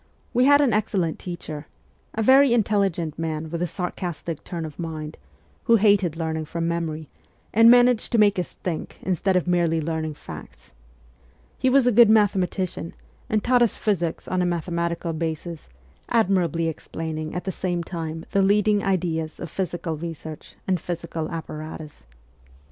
We had an excellent teacher a very intelli gent man with a sarcastic turn of mind, who hated learning from memory, and managed to make us think instead of merely learning facts. He was a good mathematician, and taught us physics on a mathe matical basis, admirably explaining at the same time the leading ideas of physical research and physical apparatus.